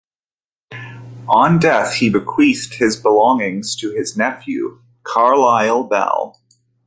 On death he bequeathed his belongings to his nephew, Carlyle Bell.